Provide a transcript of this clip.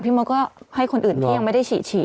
พี่หมอก็ให้คนอื่นที่ยังไม่ได้ฉีดฉีด